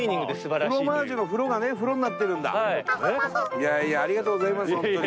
いやいやありがとうございます本当に。